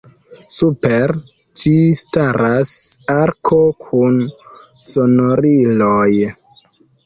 Super ĝi staras arko kun sonoriloj.